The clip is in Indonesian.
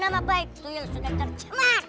nama baik tuyul sudah terjemah